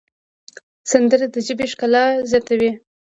سندره د ژبې ښکلا زیاتوي